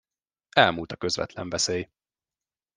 Elmúlt a közvetlen veszély.